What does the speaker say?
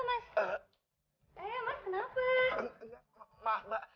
main disuruh kok